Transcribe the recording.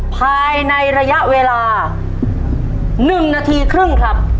ภายในระยะเวลา๑นาทีครึ่งครับ